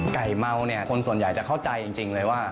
เมาเนี่ยคนส่วนใหญ่จะเข้าใจจริงเลยว่า